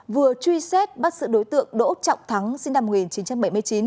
vừa truy xét bắt sự đối tượng đỗ trọng thắng sinh năm một nghìn chín trăm bảy mươi chín